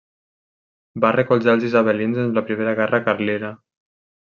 Va recolzar als isabelins en la Primera Guerra Carlina.